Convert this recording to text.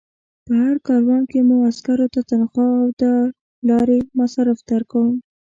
په هر کاروان کې مو عسکرو ته تنخوا او د لارې مصارف درکوم.